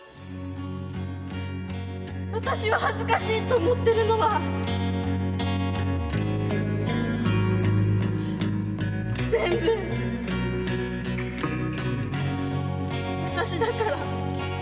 私は恥ずかしいと思っているのは全部、私だから。